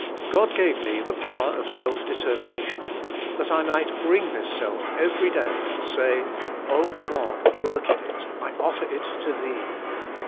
God gave me the power of self determi nation, that I might bring this self every day and say: "Oh, God, work in it; I offer it to thee."